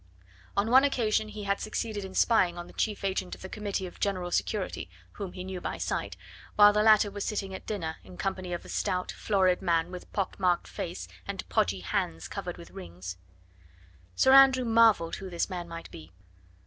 On one occasion he had succeeded in spying on the Chief Agent of the Committee of General Security, whom he knew by sight, while the latter was sitting at dinner in the company of a stout, florid man with pock marked face and podgy hands covered with rings. Sir Andrew marvelled who this man might be.